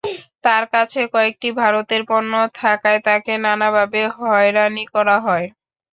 তাঁর কাছে কয়েকটি ভারতের পণ্য থাকায় তাঁকে নানাভাবে হয়রানি করা হয়।